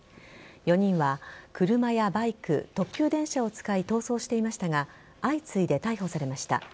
４人は車やバイク、特急電車を使い逃走していましたが相次いで逮捕されました。